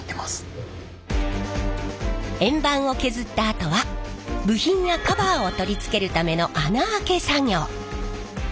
円盤を削ったあとは部品やカバーを取り付けるための穴あけ作業。